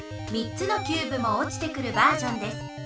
３つのキューブも落ちてくるバージョンです。